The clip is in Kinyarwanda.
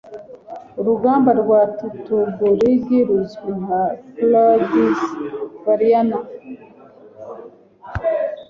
urugamba rwa teutoburg ruzwi nka clades variana